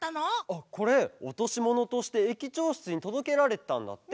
あっこれおとしものとして駅長しつにとどけられてたんだって。